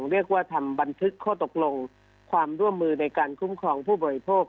เรียกว่าทำบันทึกข้อตกลงความร่วมมือในการคุ้มครองผู้บริโภค